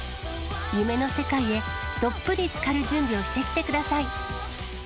夢の世界へ、どっぷりつかる準備をしてきてください。